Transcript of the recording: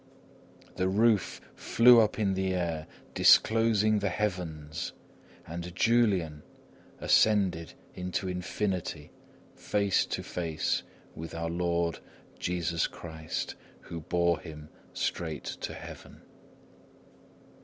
The roof flew up in the air, disclosing the heavens, and Julian ascended into infinity face to face with our Lord Jesus Christ, who bore him straight to heaven.